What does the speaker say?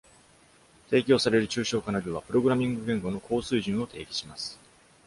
提供される抽象化の量は、プログラミング言語の「高水準」を定義します。